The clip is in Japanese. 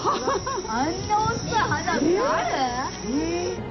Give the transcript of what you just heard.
あんな大きな花火あるー？